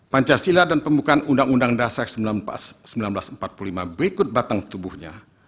pancasila dan pembukaan undang undang dasar seribu sembilan ratus empat puluh lima berikut batang tubuhnya